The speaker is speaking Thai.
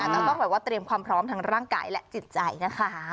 ต้องแบบว่าเตรียมความพร้อมทางร่างกายและจิตใจนะคะ